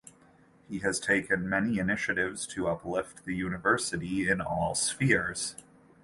He has taken many initiatives to uplift the university in all spheres.